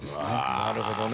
なるほどね。